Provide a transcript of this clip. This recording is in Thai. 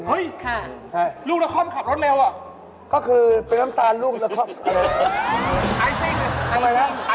เฮ่ยลูกน้ำถาลขับรถแมวอะค่ะ